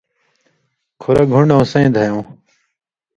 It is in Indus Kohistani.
کھُرَہ گھُنڈٶں سَیں دَھیٶں۔